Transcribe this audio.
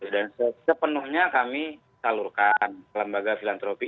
dan sepenuhnya kami salurkan ke lembaga filantropi